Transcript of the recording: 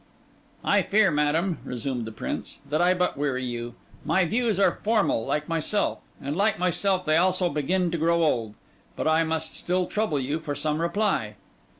'I fear, madam,' resumed the Prince, 'that I but weary you. My views are formal like myself; and like myself, they also begin to grow old. But I must still trouble you for some reply.